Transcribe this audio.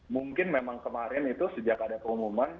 mungkin memang kemarin itu sejak ada pengumuman